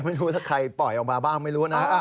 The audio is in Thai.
ไม่รู้ถ้าใครปล่อยออกมาบ้างไม่รู้นะ